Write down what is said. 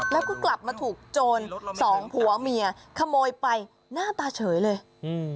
แล้วก็กลับมาถูกโจรสองผัวเมียขโมยไปหน้าตาเฉยเลยอืม